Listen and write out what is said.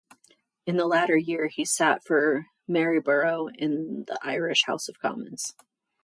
In the latter year he sat for Maryborough in the Irish House of Commons.